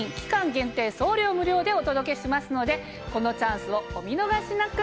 限定送料無料でお届けしますのでこのチャンスをお見逃しなく！